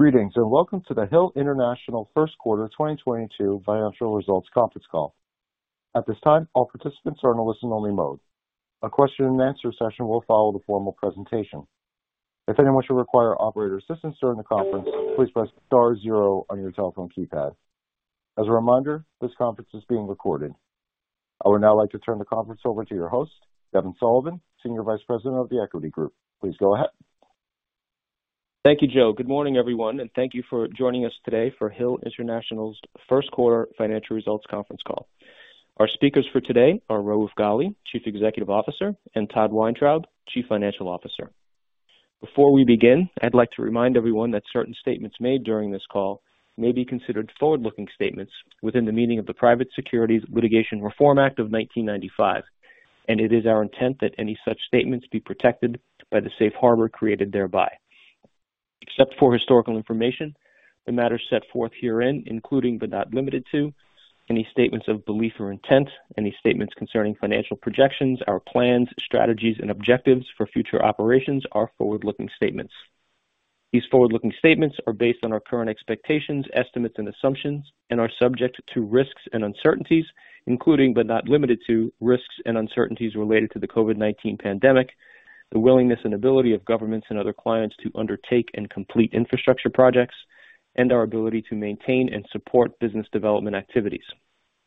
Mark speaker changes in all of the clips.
Speaker 1: Greetings, and welcome to the Hill International first quarter 2022 financial results conference call. At this time, all participants are in a listen-only mode. A question and answer session will follow the formal presentation. If anyone should require operator assistance during the conference, please press star zero on your telephone keypad. As a reminder, this conference is being recorded. I would now like to turn the conference over to your host, Devin Sullivan, Senior Vice President of The Equity Group. Please go ahead.
Speaker 2: Thank you, Joe. Good morning, everyone, and thank you for joining us today for Hill International's first quarter financial results conference call. Our speakers for today are Raouf Ghali, Chief Executive Officer, and Todd Weintraub, Chief Financial Officer. Before we begin, I'd like to remind everyone that certain statements made during this call may be considered forward-looking statements within the meaning of the Private Securities Litigation Reform Act of 1995, and it is our intent that any such statements be protected by the safe harbor created thereby. Except for historical information, the matters set forth herein, including but not limited to, any statements of belief or intent, any statements concerning financial projections, our plans, strategies and objectives for future operations are forward-looking statements. These forward-looking statements are based on our current expectations, estimates, and assumptions and are subject to risks and uncertainties, including but not limited to risks and uncertainties related to the COVID-19 pandemic, the willingness and ability of governments and other clients to undertake and complete infrastructure projects, and our ability to maintain and support business development activities.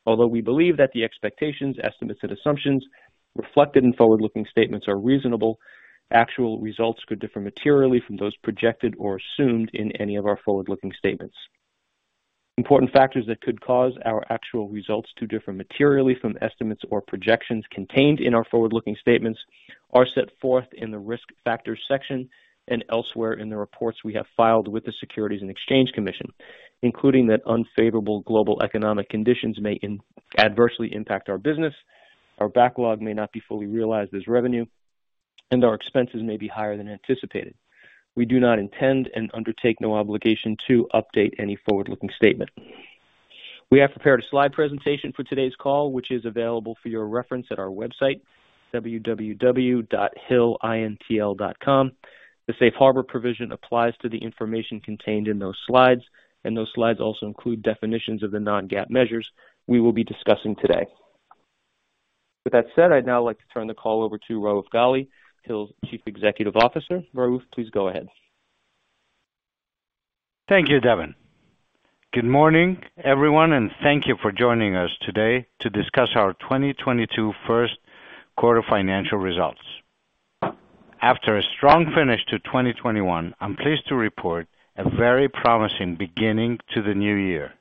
Speaker 2: Although we believe that the expectations, estimates and assumptions reflected in forward-looking statements are reasonable, actual results could differ materially from those projected or assumed in any of our forward-looking statements. Important factors that could cause our actual results to differ materially from estimates or projections contained in our forward-looking statements are set forth in the Risk Factors section and elsewhere in the reports we have filed with the Securities and Exchange Commission, including that unfavorable global economic conditions may adversely impact our business. Our backlog may not be fully realized as revenue, and our expenses may be higher than anticipated. We do not intend and undertake no obligation to update any forward-looking statement. We have prepared a slide presentation for today's call, which is available for your reference at our website www.hillintl.com. The safe harbor provision applies to the information contained in those slides, and those slides also include definitions of the non-GAAP measures we will be discussing today. With that said, I'd now like to turn the call over to Raouf Ghali, Hill's Chief Executive Officer. Raouf, please go ahead.
Speaker 3: Thank you, Devin. Good morning, everyone, and thank you for joining us today to discuss our 2022 first quarter financial results. After a strong finish to 2021, I'm pleased to report a very promising beginning to the new year.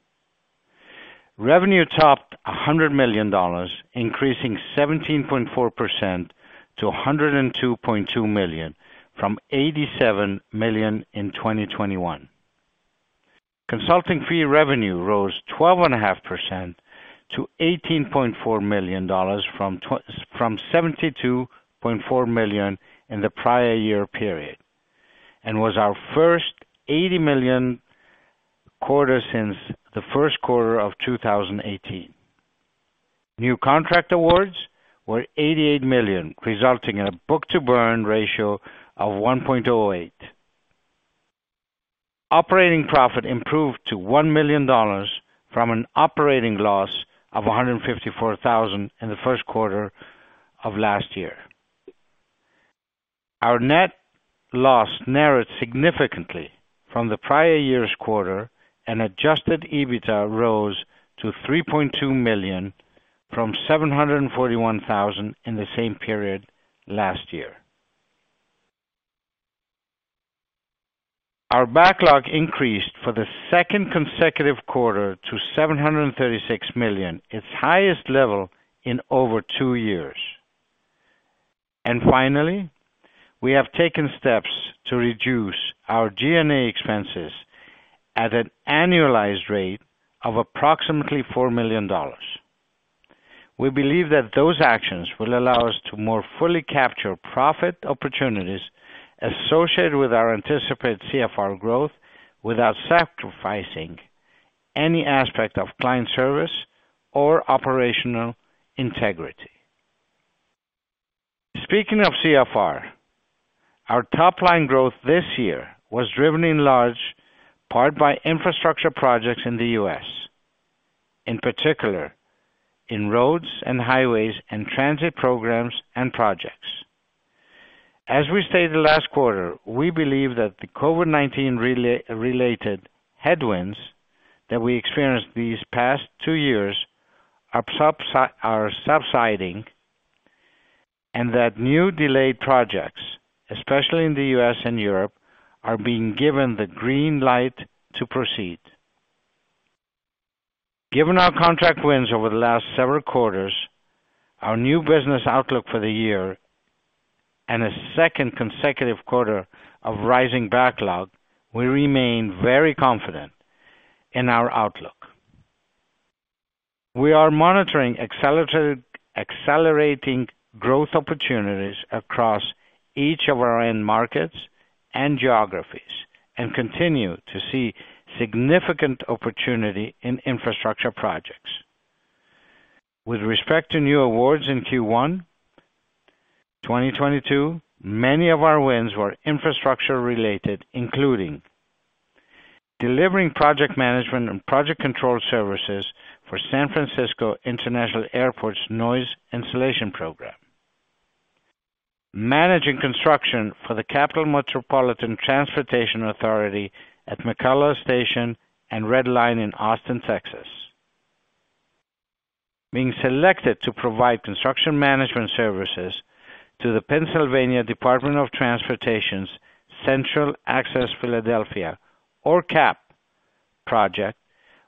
Speaker 3: Revenue topped $100 million, increasing 17.4% to $102.2 million from $87 million in 2021. Consulting fee revenue rose 12.5% to $18.4 million from $72.4 million in the prior year period, and was our first $80 million quarter since the first quarter of 2018. New contract awards were $88 million, resulting in a book-to-burn ratio of 1.08. Operating profit improved to $1 million from an operating loss of $154,000 in the first quarter of last year. Our net loss narrowed significantly from the prior year's quarter, and adjusted EBITDA rose to $3.2 million from $741,000 in the same period last year. Our backlog increased for the second consecutive quarter to $736 million, its highest level in over two years. Finally, we have taken steps to reduce our G&A expenses at an annualized rate of approximately $4 million. We believe that those actions will allow us to more fully capture profit opportunities associated with our anticipated CFR growth without sacrificing any aspect of client service or operational integrity. Speaking of CFR, our top-line growth this year was driven in large part by infrastructure projects in the U.S., in particular in roads and highways and transit programs and projects. As we stated last quarter, we believe that the COVID-19 related headwinds that we experienced these past two years are subsiding, and that new delayed projects, especially in the U.S. and Europe, are being given the green light to proceed. Given our contract wins over the last several quarters, our new business outlook for the year and a second consecutive quarter of rising backlog, we remain very confident in our outlook. We are monitoring accelerating growth opportunities across each of our end markets and geographies and continue to see significant opportunity in infrastructure projects. With respect to new awards in Q1 2022, many of our wins were infrastructure related, including delivering project management and project control services for San Francisco International Airport's Noise Insulation Program. Managing construction for the Capital Metropolitan Transportation Authority at McKalla Station and Red Line in Austin, Texas. Being selected to provide construction management services to the Pennsylvania Department of Transportation's Central Access Philadelphia or CAP project,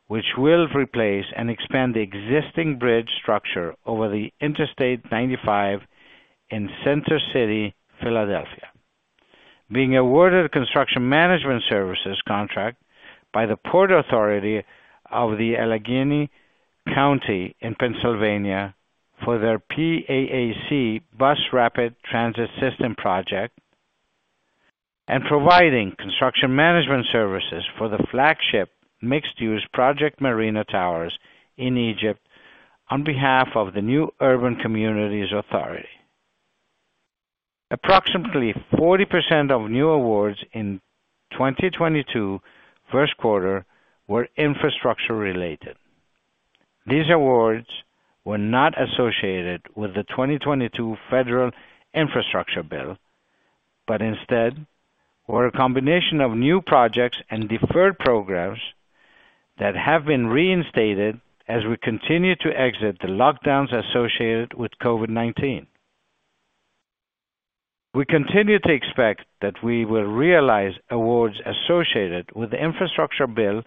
Speaker 3: which will replace and expand the existing bridge structure over the Interstate 95 in Center City, Philadelphia. Being awarded a construction management services contract by the Port Authority of Allegheny County in Pennsylvania for their PAAC Bus Rapid Transit System project, and providing construction management services for the flagship mixed-use project, Marina Towers in Egypt, on behalf of the New Urban Communities Authority. Approximately 40% of new awards in 2022 first quarter were infrastructure related. These awards were not associated with the 2022 federal infrastructure bill, but instead were a combination of new projects and deferred programs that have been reinstated as we continue to exit the lockdowns associated with COVID-19. We continue to expect that we will realize awards associated with the infrastructure bill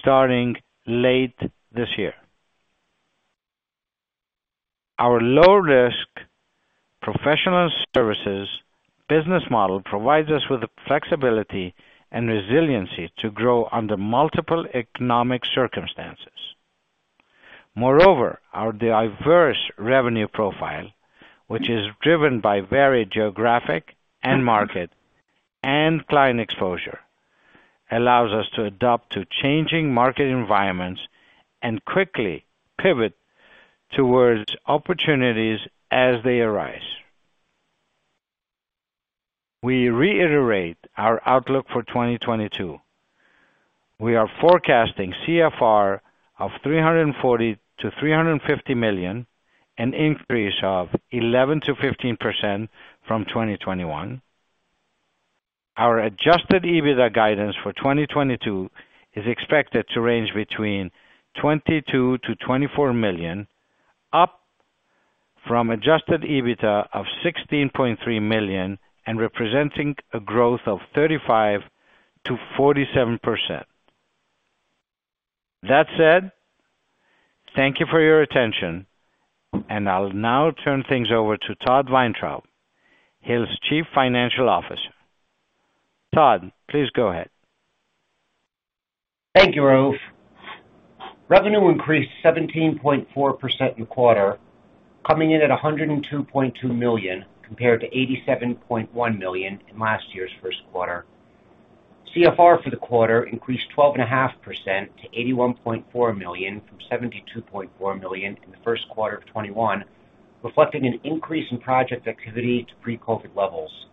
Speaker 3: starting late this year. Our low risk professional services business model provides us with the flexibility and resiliency to grow under multiple economic circumstances. Moreover, our diverse revenue profile, which is driven by varied geographic and market and client exposure, allows us to adapt to changing market environments and quickly pivot towards opportunities as they arise. We reiterate our outlook for 2022. We are forecasting CFR of $340 million-$350 million, an increase of 11%-15% from 2021. Our adjusted EBITDA guidance for 2022 is expected to range between $22 million-$24 million, up from adjusted EBITDA of $16.3 million and representing a growth of 35%-47%. That said, thank you for your attention, and I'll now turn things over to Todd Weintraub, Hill's Chief Financial Officer. Todd, please go ahead.
Speaker 4: Thank you, Raouf. Revenue increased 17.4% in quarter, coming in at $102.2 million compared to $87.1 million in last year's first quarter. CFR for the quarter increased 12.5% to $81.4 million, from $72.4 million in the first quarter of 2021, reflecting an increase in project activity to pre-COVID levels.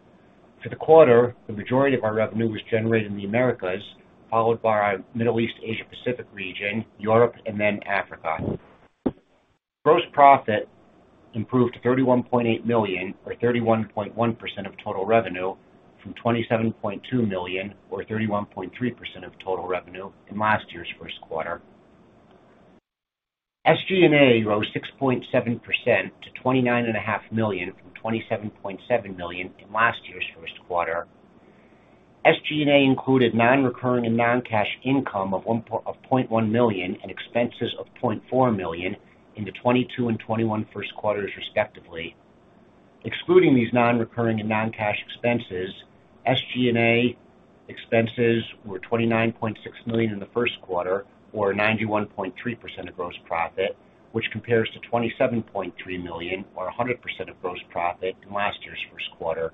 Speaker 4: For the quarter, the majority of our revenue was generated in the Americas, followed by our Middle East, Asia Pacific region, Europe, and then Africa. Gross profit improved to $31.8 million, or 31.1% of total revenue from $27.2 million or 31.3% of total revenue in last year's first quarter. SG&A rose 6.7% to $29.5 million from $27.7 million in last year's first quarter. SG&A included non-recurring and non-cash income of $0.1 million and expenses of $0.4 million in the 2022 and 2021 first quarters respectively. Excluding these non-recurring and non-cash expenses, SG&A expenses were $29.6 million in the first quarter or 91.3% of gross profit, which compares to $27.3 million or 100% of gross profit in last year's first quarter.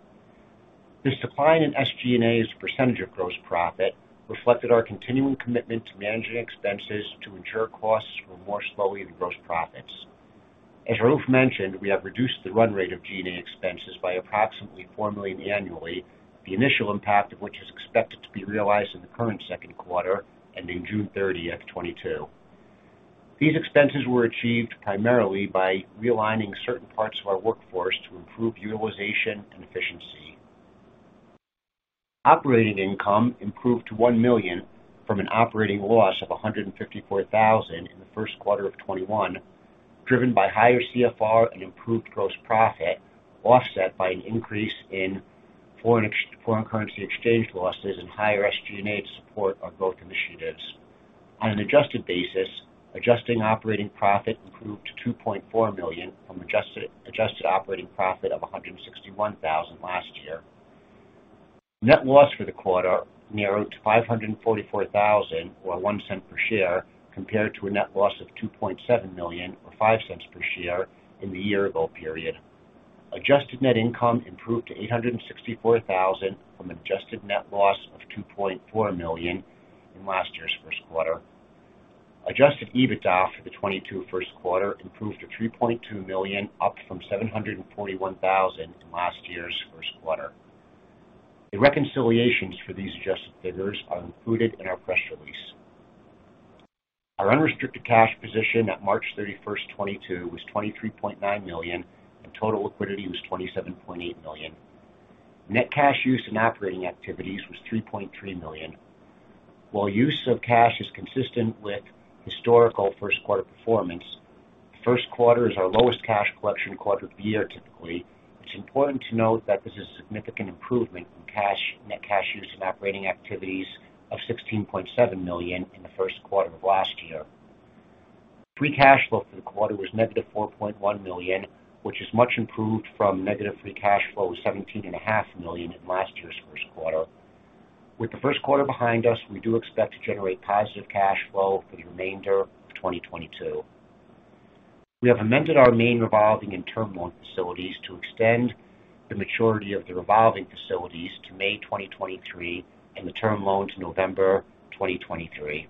Speaker 4: This decline in SG&A as a percentage of gross profit reflected our continuing commitment to managing expenses to ensure costs grew more slowly than gross profits. As Raouf mentioned, we have reduced the run rate of G&A expenses by approximately $4 million annually, the initial impact of which is expected to be realized in the current second quarter, ending June 30th, 2022. These expenses were achieved primarily by realigning certain parts of our workforce to improve utilization and efficiency. Operating income improved to $1 million from an operating loss of $154,000 in the first quarter of 2021, driven by higher CFR and improved gross profit, offset by an increase in foreign currency exchange losses and higher SG&A to support our growth initiatives. On an adjusted basis, adjusted operating profit improved to $2.4 million from adjusted operating profit of $161,000 last year. Net loss for the quarter narrowed to $544,000 or $0.01 per share compared to a net loss of $2.7 million or $0.05 per share in the year-ago period. Adjusted net income improved to $864,000 from an adjusted net loss of $2.4 million in last year's first quarter. Adjusted EBITDA for the 2022 first quarter improved to $3.2 million, up from $741,000 in last year's first quarter. The reconciliations for these adjusted figures are included in our press release. Our unrestricted cash position at March 31, 2022 was $23.9 million, and total liquidity was $27.8 million. Net cash used in operating activities was $3.3 million. While use of cash is consistent with historical first quarter performance, first quarter is our lowest cash collection quarter of the year typically. It's important to note that this is a significant improvement from net cash used in operating activities of $16.7 million in the first quarter of last year. Free cash flow for the quarter was negative $4.1 million, which is much improved from negative free cash flow of $17.5 million in last year's first quarter. With the first quarter behind us, we do expect to generate positive cash flow for the remainder of 2022. We have amended our main revolving and term loan facilities to extend the maturity of the revolving facilities to May 2023 and the term loan to November 2023.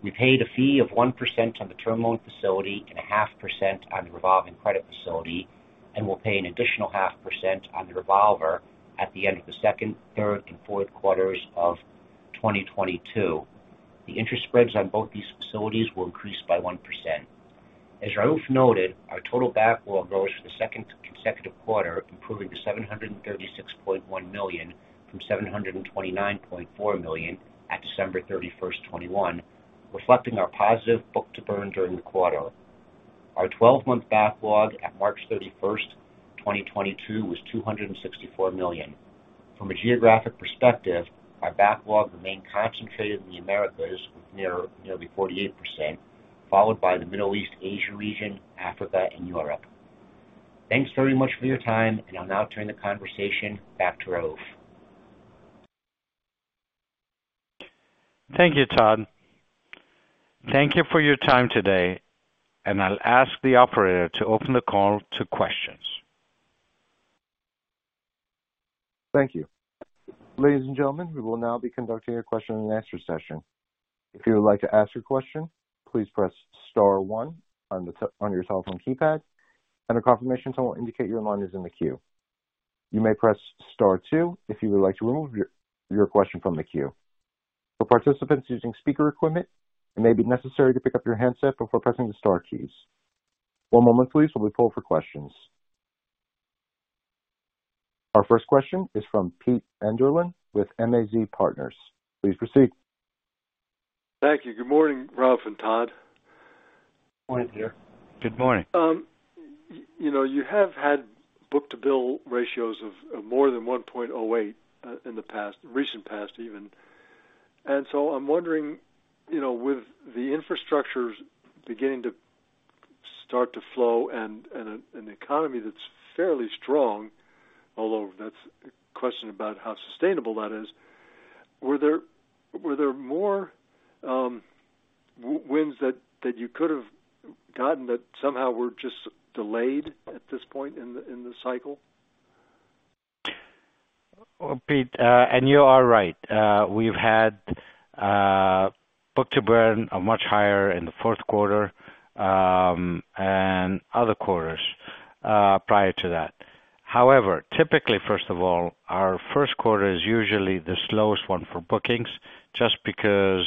Speaker 4: We paid a fee of 1% on the term loan facility and 0.5% on the revolving credit facility, and we'll pay an additional 0.5% on the revolver at the end of the second, third and fourth quarters of 2022. The interest spreads on both these facilities will increase by 1%. As Raouf noted, our total backlog rose for the second consecutive quarter, improving to $736.1 million from $729.4 million at December 31st, 2021, reflecting our positive book-to-burn during the quarter. Our 12-month backlog at March 31st, 2022 was $264 million. From a geographic perspective, our backlog remained concentrated in the Americas with nearly 48%, followed by the Middle East and Asia region, Africa and Europe. Thanks very much for your time, and I'll now turn the conversation back to Raouf.
Speaker 3: Thank you, Todd. Thank you for your time today, and I'll ask the operator to open the call to questions.
Speaker 1: Thank you. Ladies and gentlemen, we will now be conducting a question and answer session. If you would like to ask your question, please press star one on your telephone keypad, and a confirmation tone will indicate your line is in the queue. You may press star two if you would like to remove your question from the queue. For participants using speaker equipment, it may be necessary to pick up your handset before pressing the star keys. One moment please, while we poll for questions. Our first question is from Pete Enderlin with MAZ Partners. Please proceed.
Speaker 5: Thank you. Good morning, Raouf and Todd.
Speaker 3: Morning, Peter.
Speaker 4: Good morning.
Speaker 5: You know, you have had book-to-bill ratios of more than 1.08 in the past, recent past even. I'm wondering, you know, with the infrastructure beginning to start to flow and an economy that's fairly strong, although that's a question about how sustainable that is, were there more wins that you could have gotten that somehow were just delayed at this point in the cycle?
Speaker 3: Well, Pete, you are right. We've had book-to-burn are much higher in the fourth quarter, and other quarters prior to that. However, typically first of all, our first quarter is usually the slowest one for bookings, just because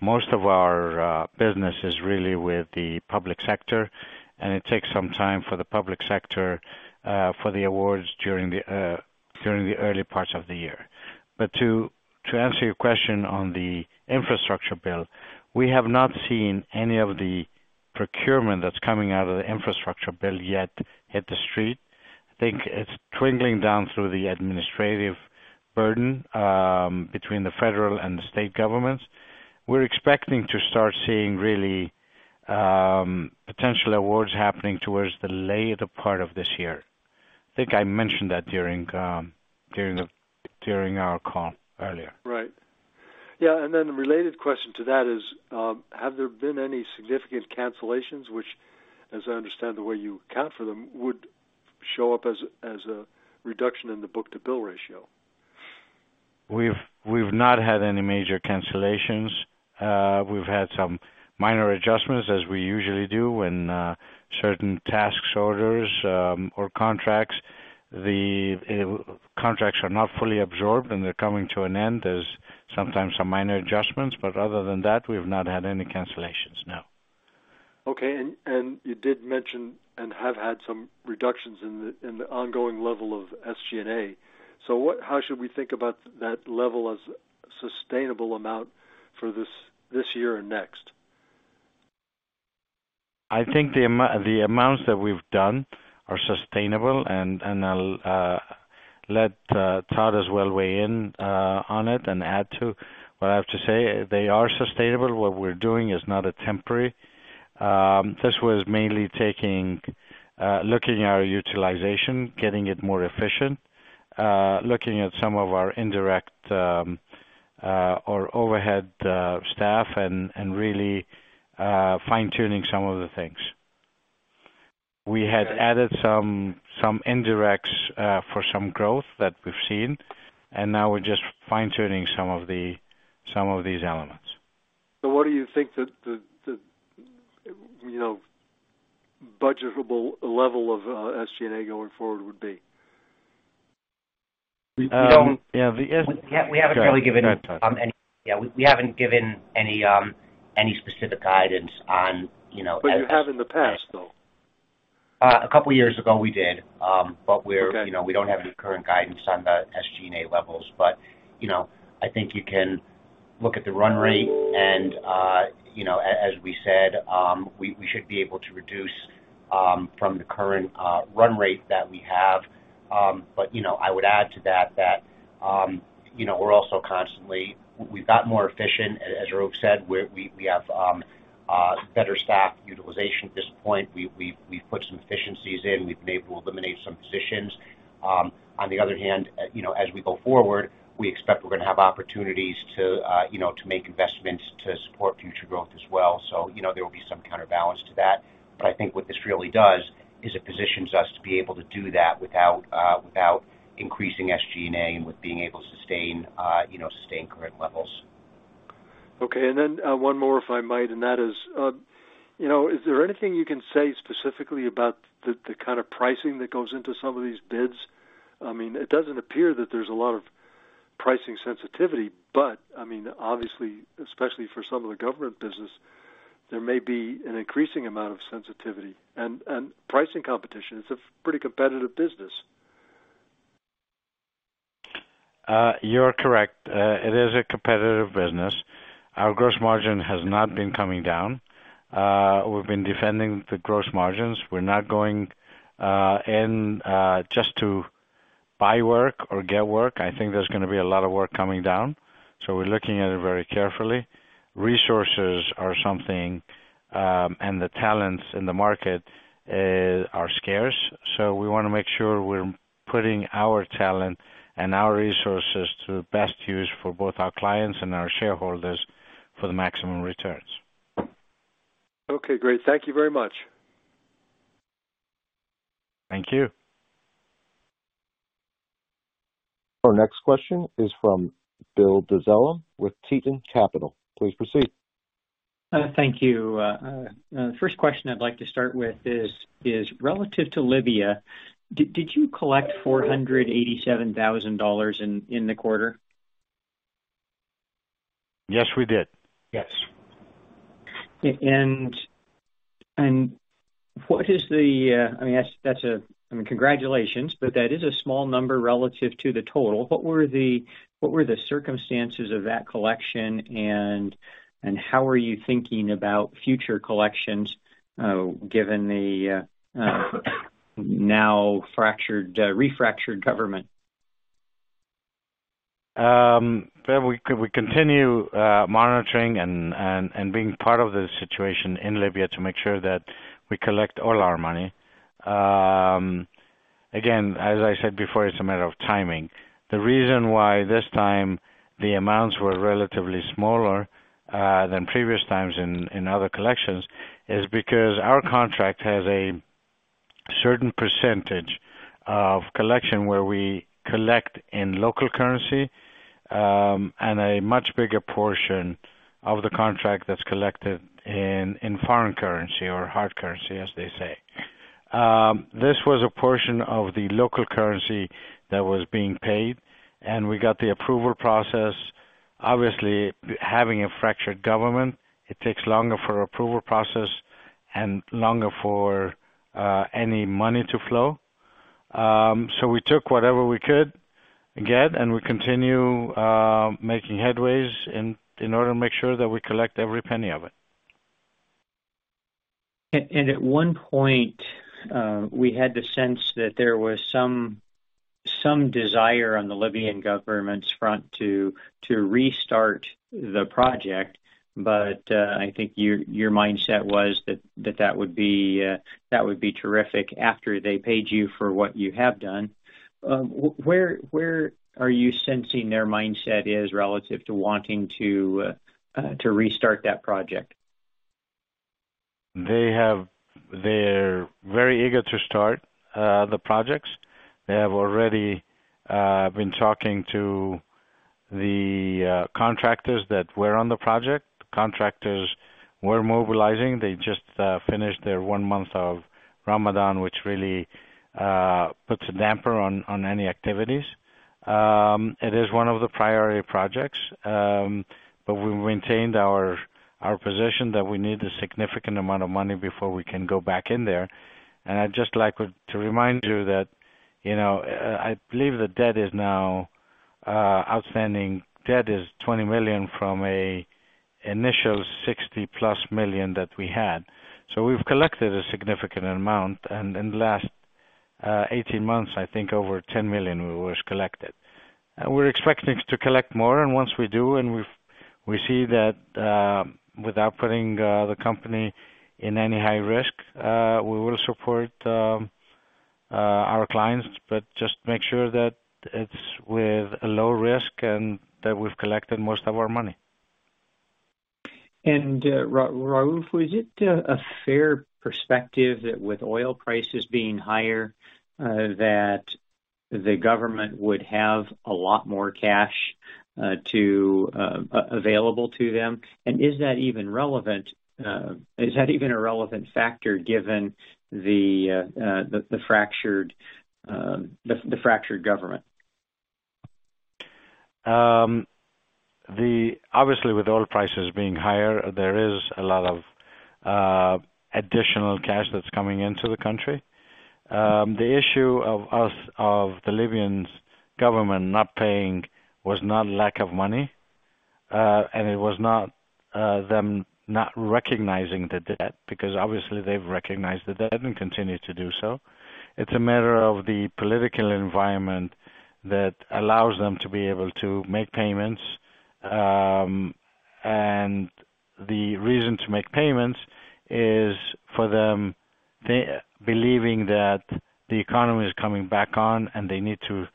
Speaker 3: most of our business is really with the public sector, and it takes some time for the public sector for the awards during the early parts of the year. To answer your question on the infrastructure bill, we have not seen any of the procurement that's coming out of the infrastructure bill yet hit the street. I think it's trickling down through the administrative burden between the federal and the state governments. We're expecting to start seeing really potential awards happening towards the later part of this year. I think I mentioned that during our call earlier.
Speaker 5: Right. Yeah, the related question to that is, have there been any significant cancellations which, as I understand the way you account for them, would show up as a reduction in the book-to-bill ratio?
Speaker 3: We've not had any major cancellations. We've had some minor adjustments, as we usually do when certain task orders or contracts. The contracts are not fully absorbed, and they're coming to an end. There's sometimes some minor adjustments, but other than that, we've not had any cancellations, no.
Speaker 5: Okay, you did mention and have had some reductions in the ongoing level of SG&A. How should we think about that level as a sustainable amount for this year and next?
Speaker 3: I think the amounts that we've done are sustainable. I'll let Todd as well weigh in on it and add to what I have to say. They are sustainable. What we're doing is not a temporary. This was mainly looking at our utilization, getting it more efficient, looking at some of our indirect or overhead staff and really fine-tuning some of the things. We had added some indirects for some growth that we've seen, and now we're just fine-tuning some of these elements.
Speaker 5: What do you think the budgetable level of SG&A going forward would be?
Speaker 3: Yeah.
Speaker 4: We don't.
Speaker 3: Go ahead.
Speaker 4: We haven't really given any.
Speaker 3: Go ahead, Todd.
Speaker 4: Yeah, we haven't given any specific guidance on, you know.
Speaker 5: You have in the past, though.
Speaker 4: A couple years ago, we did. We're
Speaker 5: Okay.
Speaker 4: You know, we don't have any current guidance on the SG&A levels. You know, I think you can look at the run rate, and, you know, as we said, we should be able to reduce from the current run rate that we have. You know, I would add to that that, you know, we've got more efficient, as Raouf said, we have better staff utilization at this point. We've put some efficiencies in. We've been able to eliminate some positions. On the other hand, you know, as we go forward, we expect we're gonna have opportunities to, you know, to make investments to support future growth as well. You know, there will be some counterbalance to that. I think what this really does is it positions us to be able to do that without increasing SG&A and with being able to sustain, you know, current levels.
Speaker 5: Okay. One more, if I might, and that is, you know, is there anything you can say specifically about the kind of pricing that goes into some of these bids? I mean, it doesn't appear that there's a lot of pricing sensitivity, but I mean, obviously, especially for some of the government business, there may be an increasing amount of sensitivity and pricing competition. It's a pretty competitive business.
Speaker 3: You're correct. It is a competitive business. Our gross margin has not been coming down. We've been defending the gross margins. We're not going in just to buy work or get work. I think there's gonna be a lot of work coming down, so we're looking at it very carefully. Resources are something, and the talents in the market are scarce, so we wanna make sure we're putting our talent and our resources to best use for both our clients and our shareholders for the maximum returns.
Speaker 5: Okay, great. Thank you very much.
Speaker 3: Thank you.
Speaker 1: Our next question is from Bill Dezellem with Tieton Capital. Please proceed.
Speaker 6: Thank you. First question I'd like to start with is relative to Libya, did you collect $487,000 in the quarter?
Speaker 3: Yes, we did.
Speaker 4: Yes.
Speaker 6: I mean, that's a, I mean, congratulations, but that is a small number relative to the total. What were the circumstances of that collection, and how are you thinking about future collections, given the now fractured, refractured government?
Speaker 3: Bill, we continue monitoring and being part of the situation in Libya to make sure that we collect all our money. Again, as I said before, it's a matter of timing. The reason why this time the amounts were relatively smaller than previous times in other collections is because our contract has a certain percentage of collection where we collect in local currency and a much bigger portion of the contract that's collected in foreign currency or hard currency, as they say. This was a portion of the local currency that was being paid, and we got the approval process. Obviously, having a fractured government, it takes longer for approval process and longer for any money to flow. We took whatever we could get, and we continue making headway in order to make sure that we collect every penny of it.
Speaker 6: At one point, we had the sense that there was some desire on the Libyan government's front to restart the project. I think your mindset was that that would be terrific after they paid you for what you have done. Where are you sensing their mindset is relative to wanting to restart that project?
Speaker 3: They're very eager to start the projects. They have already been talking to the contractors that were on the project. Contractors were mobilizing. They just finished their one month of Ramadan, which really puts a damper on any activities. It is one of the priority projects, but we maintained our position that we need a significant amount of money before we can go back in there. I'd just like to remind you that, you know, I believe the debt is now outstanding. The debt is $20 million from an initial $60+ million that we had. We've collected a significant amount. In the last 18 months, I think over $10 million was collected. We're expecting to collect more. We see that without putting the company in any high risk, we will support our clients, but just make sure that it's with a low risk and that we've collected most of our money.
Speaker 6: Raouf, was it a fair perspective that with oil prices being higher, that the government would have a lot more cash available to them? Is that even relevant, is that even a relevant factor given the fractured government?
Speaker 3: Obviously, with oil prices being higher, there is a lot of additional cash that's coming into the country. The issue of the Libyan government not paying was not lack of money, and it was not them not recognizing the debt, because obviously they've recognized the debt and continue to do so. It's a matter of the political environment that allows them to be able to make payments. The reason to make payments is for them believing that the economy is coming back on and they need to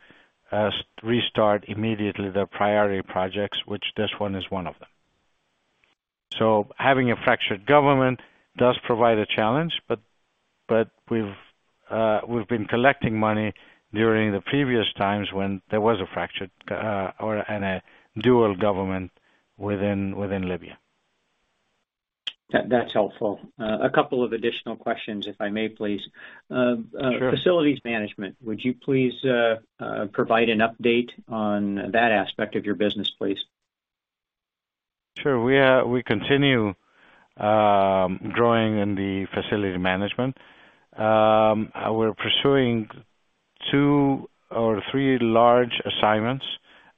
Speaker 3: restart immediately their priority projects, which this one is one of them. Having a fractured government does provide a challenge, but we've been collecting money during the previous times when there was a fractured or a dual government within Libya.
Speaker 6: That, that's helpful. A couple of additional questions, if I may please.
Speaker 3: Sure.
Speaker 6: Facilities management, would you please provide an update on that aspect of your business, please?
Speaker 3: Sure. We continue growing in the facility management. We're pursuing two or three large assignments,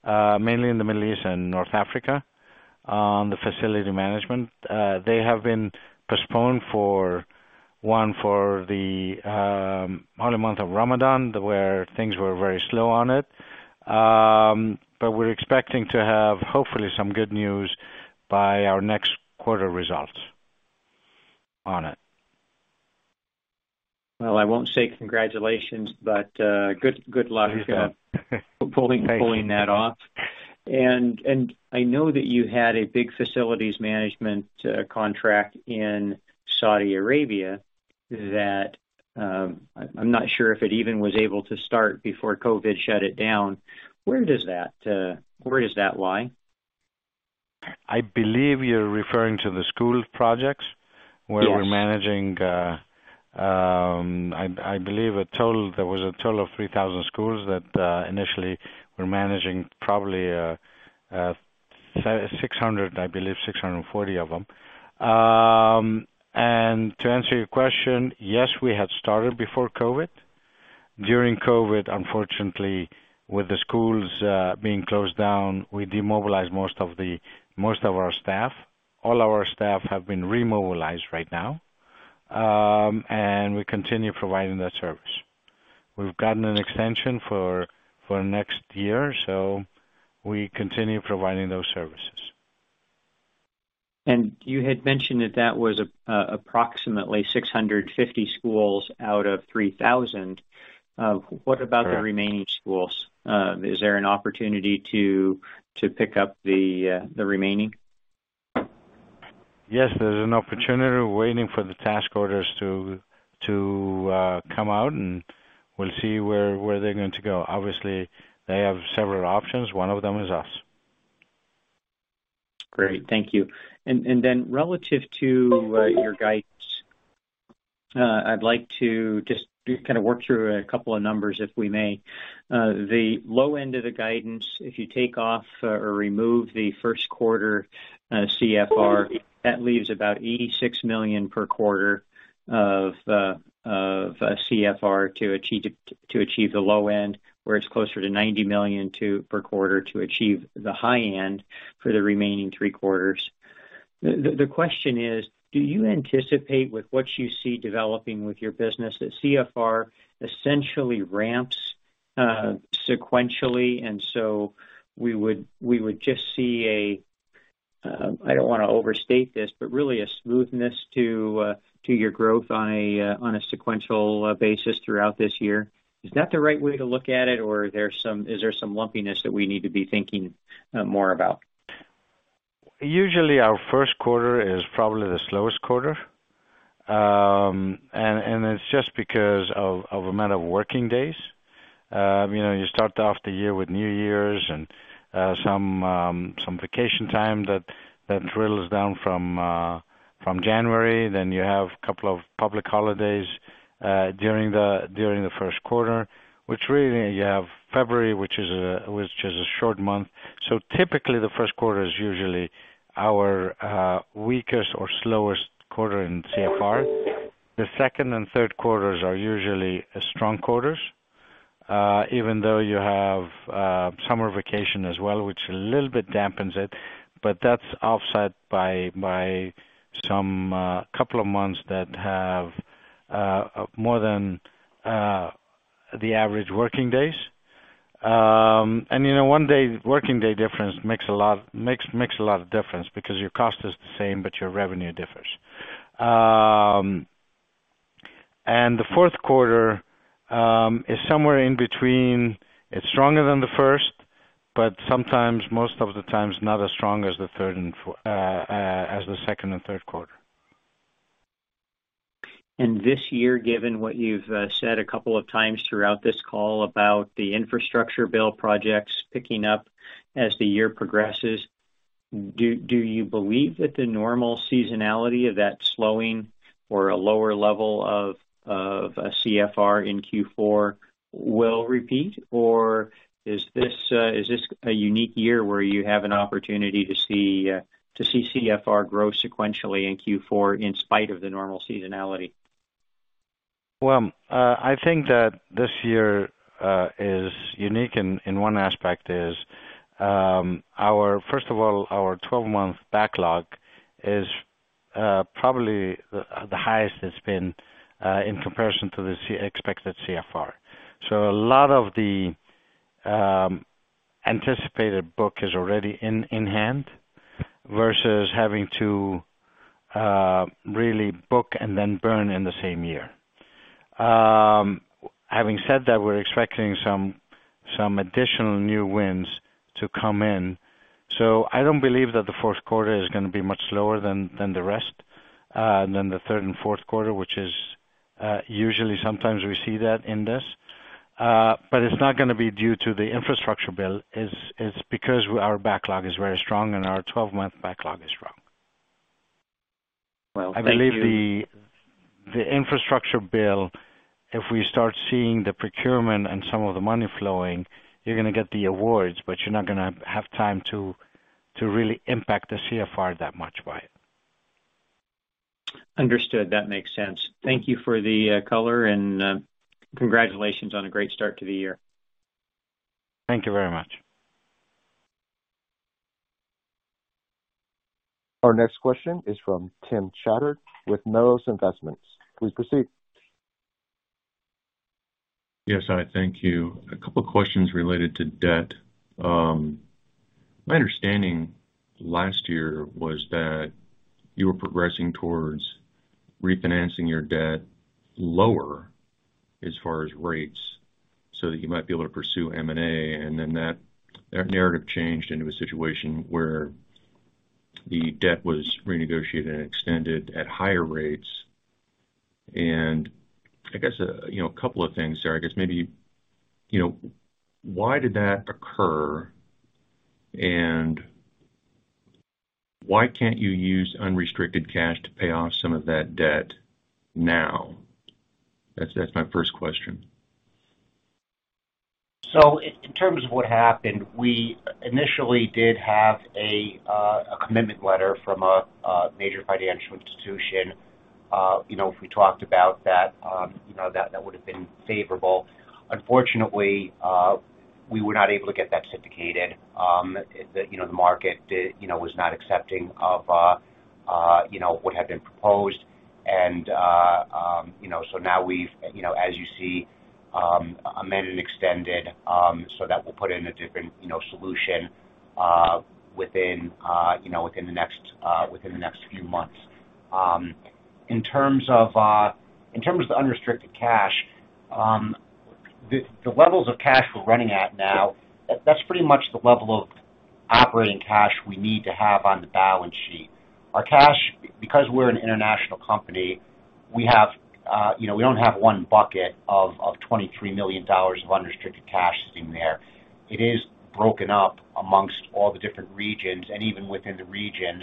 Speaker 3: mainly in the Middle East and North Africa on the facility management. They have been postponed for the holy month of Ramadan, where things were very slow on it. We're expecting to have hopefully some good news by our next quarter results on it.
Speaker 6: Well, I won't say congratulations, but good luck pulling that off. I know that you had a big facilities management contract in Saudi Arabia that I'm not sure if it even was able to start before COVID shut it down. Where does that lie?
Speaker 3: I believe you're referring to the school projects.
Speaker 6: Yes.
Speaker 3: Where we're managing, I believe a total, there was a total of 3,000 schools that initially we're managing probably, six hundred, I believe 640 of them. To answer your question, yes, we had started before COVID. During COVID, unfortunately, with the schools being closed down, we demobilized most of our staff. All our staff have been remobilized right now. We continue providing that service. We've gotten an extension for next year, so we continue providing those services.
Speaker 6: You had mentioned that that was approximately 650 schools out of 3,000.
Speaker 3: Correct.
Speaker 6: What about the remaining schools? Is there an opportunity to pick up the remaining?
Speaker 3: Yes, there's an opportunity. We're waiting for the task orders to come out, and we'll see where they're going to go. Obviously, they have several options. One of them is us.
Speaker 6: Great. Thank you. Then relative to your guidance, I'd like to just kind of work through a couple of numbers, if we may. The low end of the guidance, if you take off or remove the first quarter CFR, that leaves about $86 million per quarter of CFR to achieve the low end, where it's closer to $90 million per quarter to achieve the high end for the remaining three quarters. The question is, do you anticipate with what you see developing with your business that CFR essentially ramps sequentially, and so we would just see a, I don't wanna overstate this, but really a smoothness to your growth on a sequential basis throughout this year? Is that the right way to look at it, or is there some lumpiness that we need to be thinking more about?
Speaker 3: Usually our first quarter is probably the slowest quarter. It's just because of amount of working days. You know, you start off the year with New Year's and some vacation time that drills down from January, then you have a couple of public holidays during the first quarter, which really you have February, which is a short month. Typically the first quarter is usually our weakest or slowest quarter in CFR. The second and third quarters are usually strong quarters, even though you have summer vacation as well, which a little bit dampens it, but that's offset by some couple of months that have more than the average working days. You know, one working day difference makes a lot of difference because your cost is the same, but your revenue differs. The fourth quarter is somewhere in between. It's stronger than the first, but sometimes most of the times not as strong as the second and third quarter.
Speaker 6: This year, given what you've said a couple of times throughout this call about the infrastructure bill projects picking up as the year progresses, do you believe that the normal seasonality of that slowing or a lower level of CFR in Q4 will repeat? Or is this a unique year where you have an opportunity to see CFR grow sequentially in Q4 in spite of the normal seasonality?
Speaker 3: Well, I think that this year is unique in one aspect. First of all, our 12-month backlog is probably the highest it's been in comparison to the expected book-to-burn. A lot of the anticipated book is already in hand versus having to really book and then burn in the same year. Having said that, we're expecting some additional new wins to come in, so I don't believe that the fourth quarter is gonna be much slower than the rest than the third and fourth quarter, which is usually. Sometimes we see that in this. It's not gonna be due to the infrastructure bill. It's because our backlog is very strong and our 12-month backlog is strong.
Speaker 6: Well, thank you.
Speaker 3: I believe the infrastructure bill, if we start seeing the procurement and some of the money flowing, you're gonna get the awards, but you're not gonna have time to really impact the CFR that much by it.
Speaker 6: Understood. That makes sense. Thank you for the color and congratulations on a great start to the year.
Speaker 3: Thank you very much.
Speaker 1: Our next question is from Tim Chatard with Meros Investments. Please proceed.
Speaker 7: Yes. Hi, thank you. A couple of questions related to debt. My understanding last year was that you were progressing towards refinancing your debt lower as far as rates so that you might be able to pursue M&A. That narrative changed into a situation where the debt was renegotiated and extended at higher rates. I guess, you know, a couple of things there. I guess maybe, you know, why did that occur, and why can't you use unrestricted cash to pay off some of that debt now? That's my first question.
Speaker 4: In terms of what happened, we initially did have a commitment letter from a major financial institution. You know, if we talked about that, you know, that would have been favorable. Unfortunately, we were not able to get that syndicated. You know, the market was not accepting of what had been proposed. You know, so now we've you know as you see amended and extended so that we'll put in a different you know solution within the next few months. In terms of the unrestricted cash, the levels of cash we're running at now, that's pretty much the level of operating cash we need to have on the balance sheet. Our cash, because we're an international company, we have, you know, we don't have one bucket of $23 million of unrestricted cash sitting there. It is broken up among all the different regions, and even within the regions,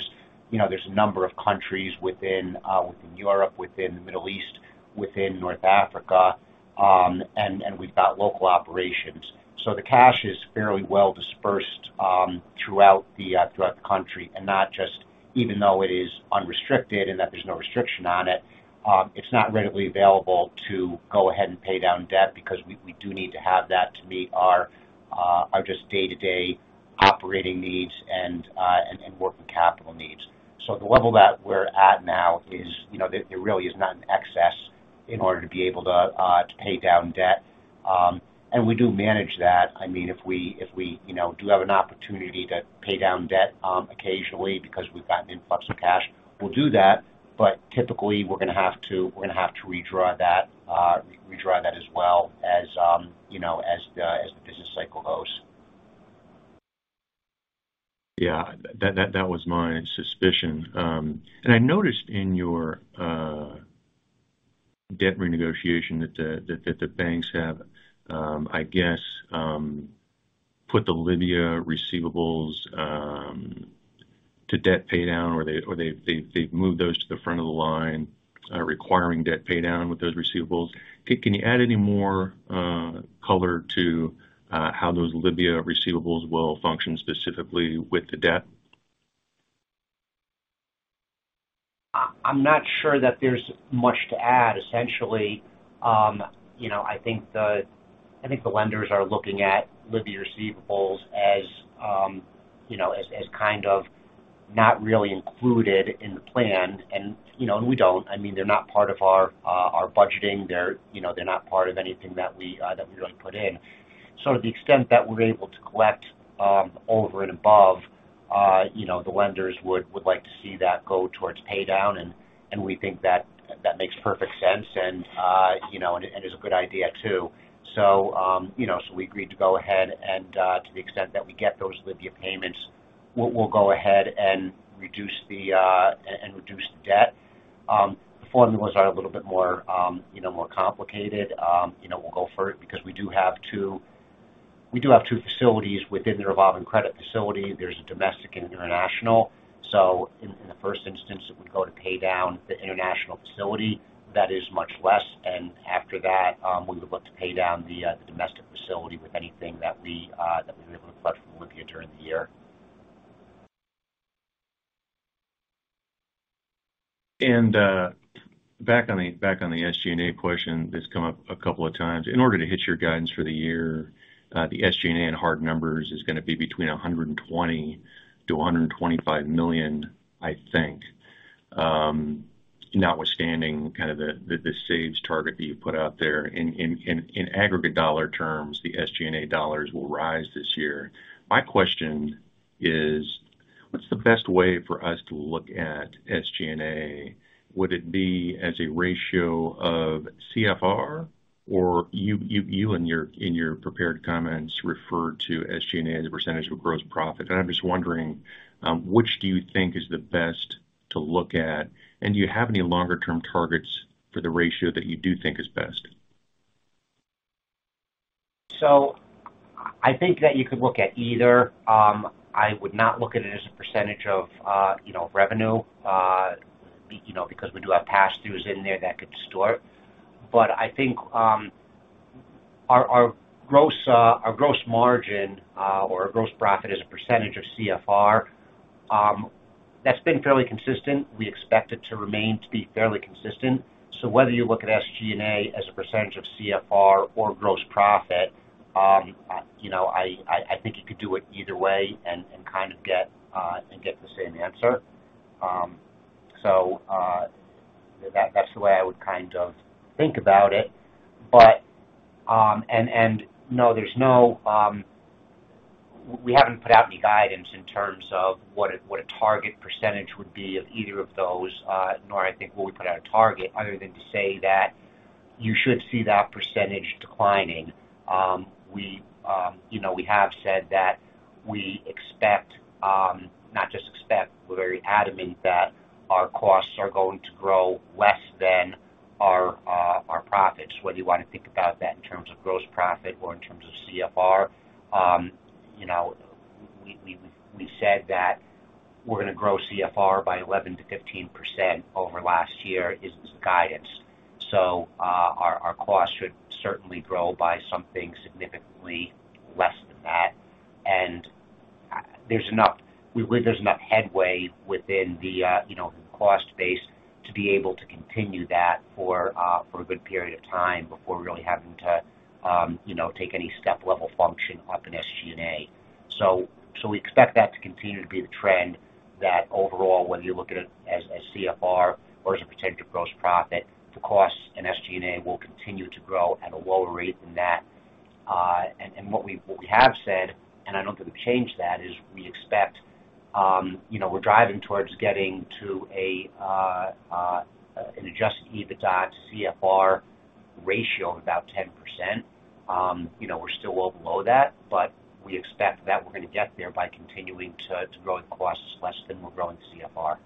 Speaker 4: you know, there's a number of countries within Europe, within the Middle East, within North Africa, and we've got local operations. So the cash is fairly well dispersed throughout the company, and not just even though it is unrestricted and that there's no restriction on it's not readily available to go ahead and pay down debt because we do need to have that to meet our just day-to-day operating needs and working capital needs. The level that we're at now is, you know, it really is not in excess in order to be able to to pay down debt. We do manage that. I mean, if we you know, do have an opportunity to pay down debt, occasionally because we've got an influx of cash, we'll do that, but typically we're gonna have to redraw that as well as, you know, as the business cycle goes.
Speaker 7: Yeah. That was my suspicion. I noticed in your debt renegotiation that the banks have, I guess, put the Libya receivables to debt pay down, or they've moved those to the front of the line, requiring debt pay down with those receivables. Can you add any more color to how those Libya receivables will function specifically with the debt?
Speaker 4: I'm not sure that there's much to add. Essentially, I think the lenders are looking at Libya receivables as kind of not really included in the plan. We don't. I mean, they're not part of our budgeting. They're not part of anything that we really put in. To the extent that we're able to collect over and above, the lenders would like to see that go towards pay down, and we think that makes perfect sense and is a good idea too. You know, so we agreed to go ahead and, to the extent that we get those Libya payments, we'll go ahead and reduce the debt. The formulas are a little bit more, you know, more complicated. You know, we'll go for it because we do have two facilities within the revolving credit facility. There's a domestic and international. In the first instance, it would go to pay down the international facility that is much less. After that, we would look to pay down the domestic facility with anything that we were able to collect from Libya during the year.
Speaker 7: Back on the SG&A question that's come up a couple of times. In order to hit your guidance for the year, the SG&A in hard numbers is gonna be between $120 million-$125 million, I think. Notwithstanding the SG&A target that you put out there in aggregate dollar terms, the SG&A dollars will rise this year. My question is, what's the best way for us to look at SG&A? Would it be as a ratio of CFR or you in your prepared comments referred to SG&A as a percentage of gross profit. I'm just wondering, which do you think is the best to look at? Do you have any longer-term targets for the ratio that you do think is best?
Speaker 4: I think that you could look at either. I would not look at it as a percentage of, you know, revenue, you know, because we do have pass-throughs in there that could distort. I think our gross margin or our gross profit as a percentage of CFR, that's been fairly consistent. We expect it to remain to be fairly consistent. Whether you look at SG&A as a percentage of CFR or gross profit, you know, I think you could do it either way and kind of get the same answer. That's the way I would kind of think about it. No, there's no. We haven't put out any guidance in terms of what a target percentage would be of either of those, nor I think would we put out a target other than to say that you should see that percentage declining. You know, we have said that we expect, not just expect, we're very adamant that our costs are going to grow less than our profits, whether you wanna think about that in terms of gross profit or in terms of CFR. You know, we said that we're gonna grow CFR by 11%-15% over last year is the guidance. Our costs should certainly grow by something significantly less than that. We believe there's enough headway within the, you know, the cost base to be able to continue that for a good period of time before really having to, you know, take any step level function up in SG&A. We expect that to continue to be the trend that overall, whether you look at it as CFR or as a percentage of gross profit, the costs in SG&A will continue to grow at a lower rate than that. What we have said, and I don't think we've changed that, is we expect, you know, we're driving towards getting to an adjusted EBITDA to CFR ratio of about 10%. You know, we're still well below that, but we expect that we're gonna get there by continuing to grow the costs less than we're growing the CFR.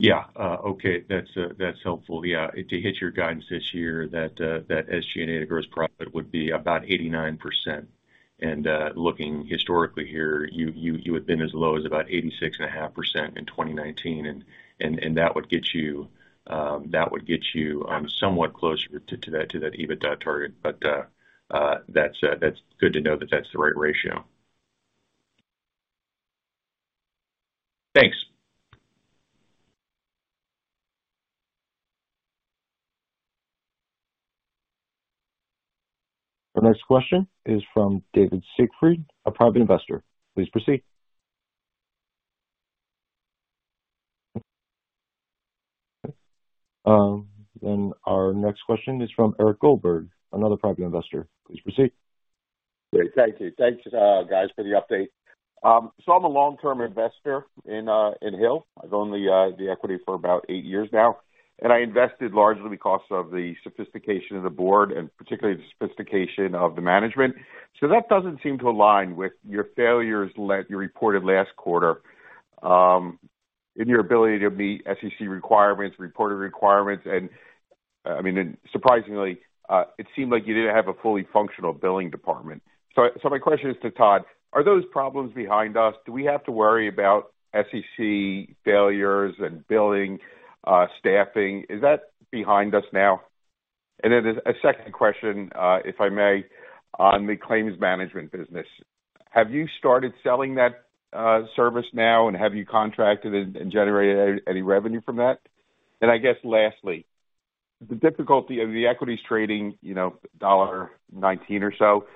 Speaker 7: Yeah. Okay. That's helpful. Yeah. To hit your guidance this year, that SG&A to gross profit would be about 89%. Looking historically here, you had been as low as about 86.5% in 2019, and that would get you somewhat closer to that EBITDA target. But that's good to know that that's the right ratio. Thanks.
Speaker 1: The next question is from David Siegfried, a private investor. Please proceed. Our next question is from Eric Goldberg, another private investor. Please proceed.
Speaker 8: Great. Thank you. Thanks, guys, for the update. So I'm a long-term investor in Hill. I've owned the equity for about eight years now. I invested largely because of the sophistication of the board and particularly the sophistication of the management. So that doesn't seem to align with your failures you reported last quarter in your ability to meet SEC requirements, reporting requirements. I mean, surprisingly, it seemed like you didn't have a fully functional billing department. So my question is to Todd, are those problems behind us? Do we have to worry about SEC failures and billing staffing? Is that behind us now? Then a second question, if I may, on the claims management business. Have you started selling that service now and have you contracted and generated any revenue from that? The difficulty of the equity is trading $19 or so.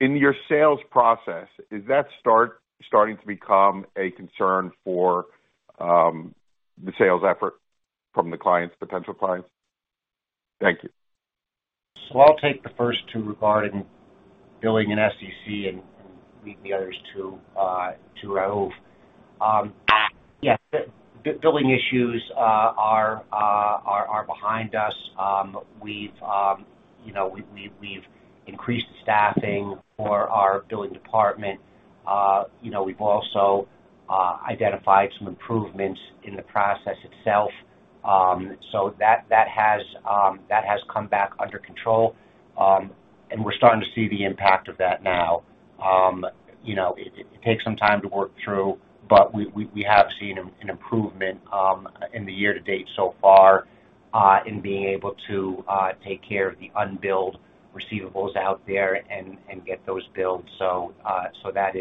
Speaker 8: In your sales process, is that starting to become a concern for the sales effort from the clients, potential clients? Thank you.
Speaker 4: I'll take the first two regarding billing and SEC and leave the others to Raouf. Yes, the billing issues are behind us. You know, we've increased the staffing for our billing department. You know, we've also identified some improvements in the process itself. That has come back under control. We're starting to see the impact of that now. You know, it takes some time to work through, but we have seen an improvement in the year to date so far in being able to take care of the unbilled receivables out there and get those billed. That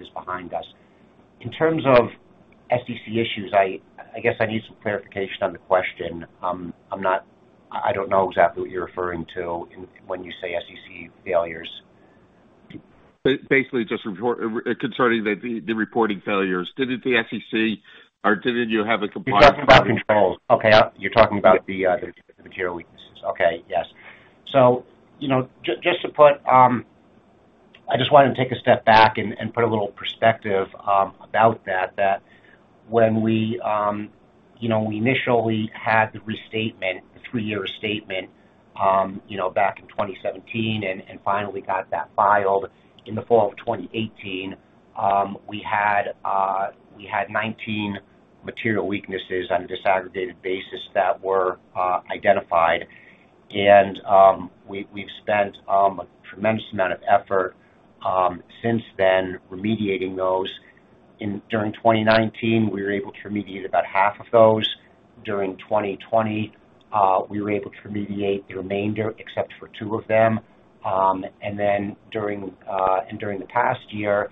Speaker 4: is behind us. In terms of SEC issues, I guess I need some clarification on the question. I don't know exactly what you're referring to when you say SEC failures.
Speaker 8: Basically, concerning the reporting failures. Didn't the SEC or didn't you have a compliance-
Speaker 4: You're talking about controls. Okay. You're talking about the material weaknesses. Okay. Yes. You know, just to put I just wanted to take a step back and put a little perspective about that when we you know we initially had the restatement, the three-year statement you know back in 2017 and finally got that filed in the fall of 2018, we had 19 material weaknesses on a disaggregated basis that were identified. We've spent a tremendous amount of effort since then remediating those. During 2019, we were able to remediate about half of those. During 2020, we were able to remediate the remainder, except for two of them. During the past year,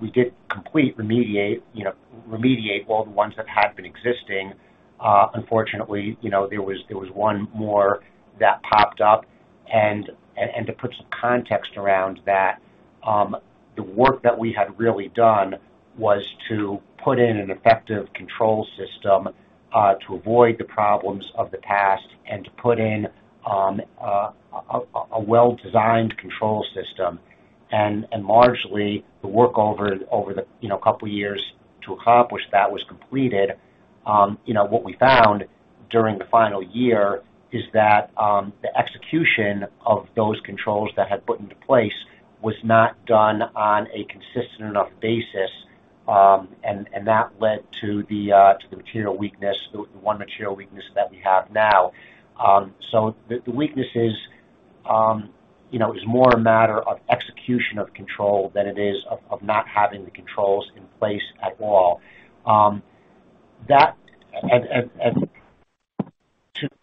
Speaker 4: we did complete remediate, you know, remediate all the ones that had been existing. Unfortunately, you know, there was one more that popped up. To put some context around that, the work that we had really done was to put in an effective control system to avoid the problems of the past and to put in a well-designed control system. Largely the work over the, you know, couple of years to accomplish that was completed. You know, what we found during the final year is that the execution of those controls that had put into place was not done on a consistent enough basis, and that led to the material weakness, the one material weakness that we have now. The weakness is more a matter of execution of control than it is of not having the controls in place at all.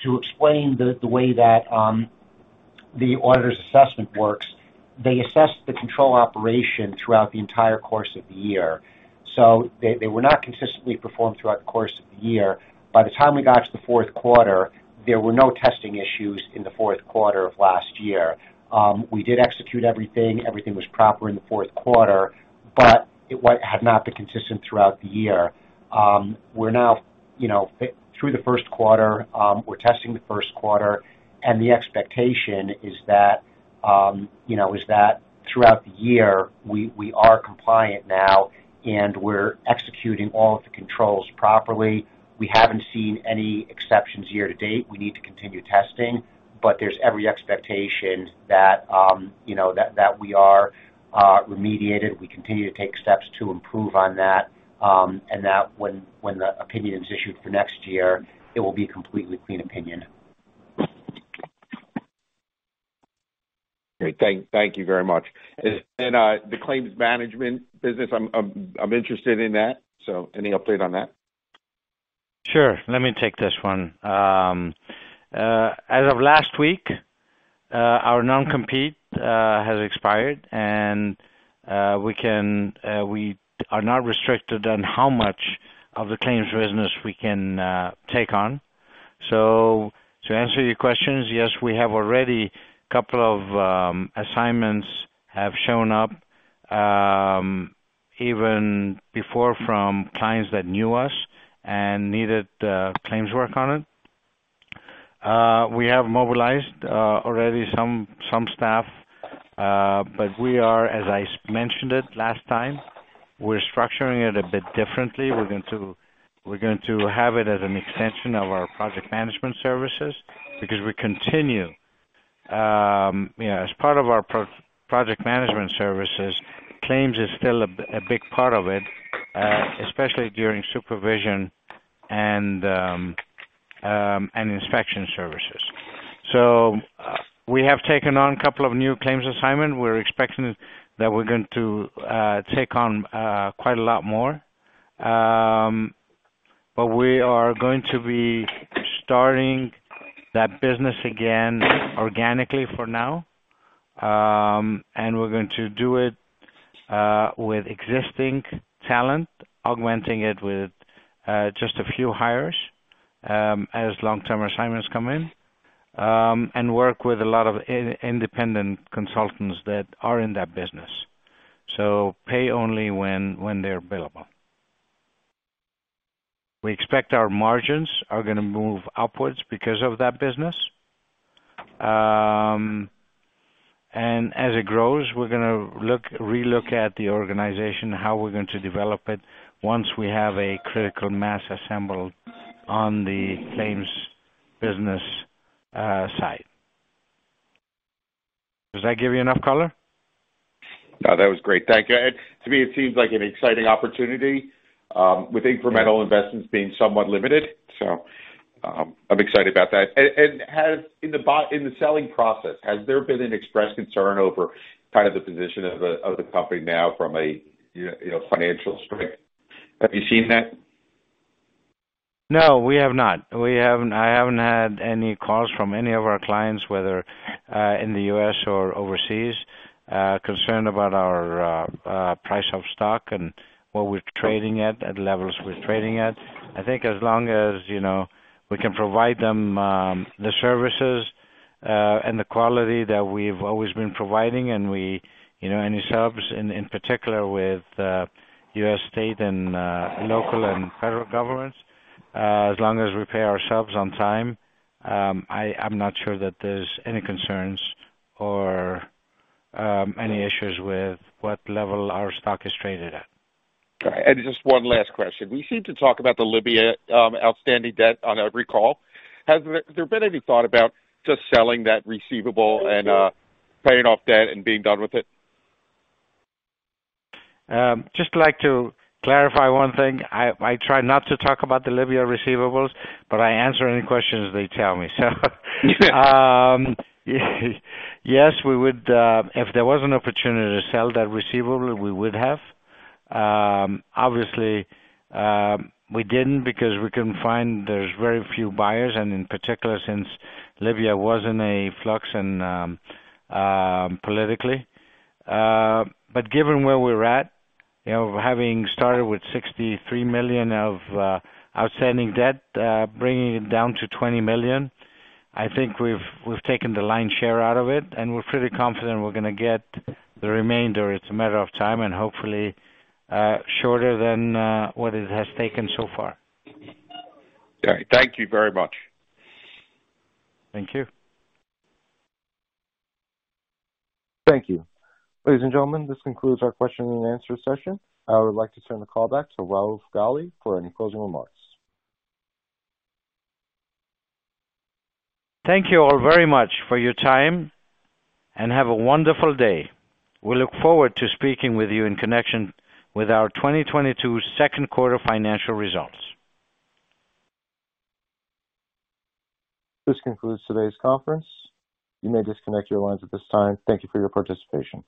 Speaker 4: To explain the way that the auditor's assessment works, they assess the control operation throughout the entire course of the year. They were not consistently performed throughout the course of the year. By the time we got to the fourth quarter, there were no testing issues in the fourth quarter of last year. We did execute everything. Everything was proper in the fourth quarter, but it had not been consistent throughout the year. We're now, you know, through the first quarter, we're testing the first quarter, and the expectation is that, you know, throughout the year, we are compliant now, and we're executing all of the controls properly. We haven't seen any exceptions year to date. We need to continue testing, but there's every expectation that, you know, that we are remediated. We continue to take steps to improve on that. That, when the opinion is issued for next year, it will be a completely clean opinion.
Speaker 8: Great. Thank you very much. The claims management business, I'm interested in that. Any update on that?
Speaker 3: Sure. Let me take this one. As of last week, our non-compete has expired, and we are not restricted on how much of the claims business we can take on. To answer your questions, yes, a couple of assignments have shown up, even before, from clients that knew us and needed claims work on it. We have mobilized already some staff, but we are, as I mentioned it last time, structuring it a bit differently. We're going to have it as an extension of our project management services because we continue, you know, as part of our project management services, claims is still a big part of it, especially during supervision and inspection services. We have taken on a couple of new claims assignment. We're expecting that we're going to take on quite a lot more. We are going to be starting that business again organically for now. We're going to do it with existing talent, augmenting it with just a few hires, as long-term assignments come in. We work with a lot of independent consultants that are in that business. Pay only when they're billable. We expect our margins are gonna move upwards because of that business. As it grows, we're gonna relook at the organization, how we're going to develop it once we have a critical mass assembled on the claims business side. Does that give you enough color?
Speaker 8: No, that was great. Thank you. To me, it seems like an exciting opportunity with incremental investments being somewhat limited. I'm excited about that. In the selling process, has there been an expressed concern over kind of the position of the company now from a you know financial strength? Have you seen that?
Speaker 3: No, we have not. I haven't had any calls from any of our clients, whether in the U.S. or overseas, concerned about our price of stock and what we're trading at levels we're trading at. I think as long as, you know, we can provide them the services and the quality that we've always been providing, and we, you know, any subs in particular with U.S. state and local and federal governments, as long as we pay our subs on time, I'm not sure that there's any concerns or any issues with what level our stock is traded at.
Speaker 8: Just one last question. We seem to talk about the Libya outstanding debt on every call. Has there been any thought about just selling that receivable and paying off debt and being done with it?
Speaker 3: Just like to clarify one thing. I try not to talk about the Libya receivables, but I answer any questions they tell me. Yes, we would, if there was an opportunity to sell that receivable, we would have. Obviously, we didn't because we couldn't find there's very few buyers, and in particular, since Libya was in a flux and, politically. Given where we're at, you know, having started with $63 million of, outstanding debt, bringing it down to $20 million, I think we've taken the lion's share out of it, and we're pretty confident we're gonna get the remainder. It's a matter of time, and hopefully, shorter than, what it has taken so far.
Speaker 8: Okay. Thank you very much.
Speaker 3: Thank you.
Speaker 1: Thank you. Ladies and gentlemen, this concludes our question and answer session. I would like to turn the call back to Raouf Ghali for any closing remarks.
Speaker 3: Thank you all very much for your time, and have a wonderful day. We look forward to speaking with you in connection with our 2022 second quarter financial results.
Speaker 1: This concludes today's conference. You may disconnect your lines at this time. Thank you for your participation.